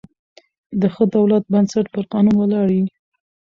د ښه دولت بنسټ پر قانون ولاړ يي.